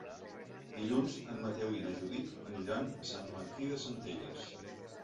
Dilluns en Mateu i na Judit aniran a Sant Martí de Centelles.